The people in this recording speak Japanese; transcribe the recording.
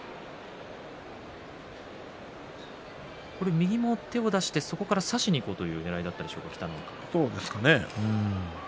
右も手を出してそこから差しにいこうというねらいだったでしょうかどうなんですかね。